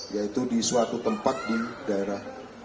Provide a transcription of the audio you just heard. yaitu di suatu tempat di daerah